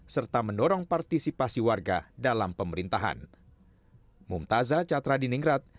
serta mendorong partisipasi warga dalam pemerintahan